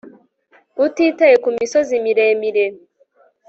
utitaye kumisozi miremire